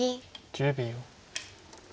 １０秒。